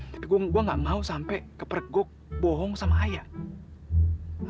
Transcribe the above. tapi gue gak mau sampai kepergok bohong sama ayah